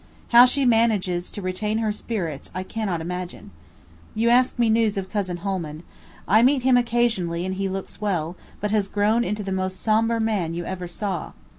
How she manages to retain her spirits I cannot imagine. You ask me news of cousin Holman. I meet him occasionally and he looks well, but has grown into the most sombre man you ever saw.